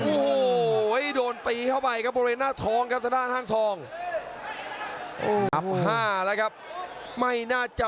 โอ้โหโอ้โหโอ้โหโอ้โหโอ้โหโอ้โหโอ้โห